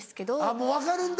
もう分かるんだ。